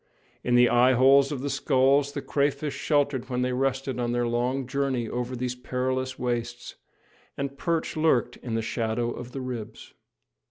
In the eyeholes of the skulls the crayfish sheltered when they rested on their long journey over these perilous wastes, and perch lurked in the shadow of the ribs.